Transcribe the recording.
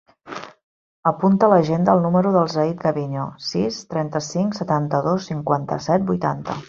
Apunta a l'agenda el número del Zaid Gaviño: sis, trenta-cinc, setanta-dos, cinquanta-set, vuitanta.